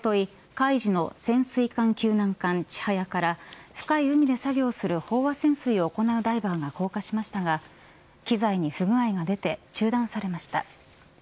海自の潜水艦救難艦ちはやから深い海で作業する飽和潜水を行うダイバーが降下しましたが機材に不具合が出て中断されました。